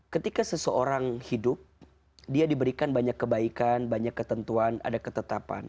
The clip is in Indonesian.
ketika seseorang hidup dia diberikan banyak kebaikan banyak ketentuan ada ketetapan